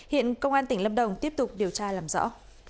hiện công an tỉnh lâm đồng tiếp tục điều tra làm rõ